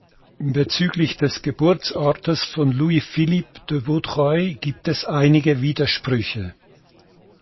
Bezüglich des Geburtsortes von Louis-Philippe de Vaudreuil gibt es einige Widersprüche.